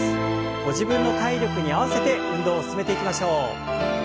ご自分の体力に合わせて運動を進めていきましょう。